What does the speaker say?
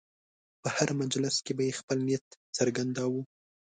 په هر مجلس کې به یې خپل نیت څرګنداوه.